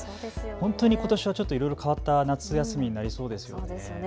本当にことしはちょっといろいろ変わった夏休みになりそうそうですよね。